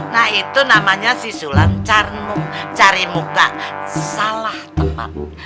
nah itu namanya sisulam cari muka salah tempat